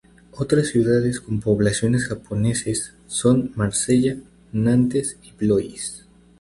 Otras ciudades con poblaciones japoneses son Marsella, Nantes y Blois.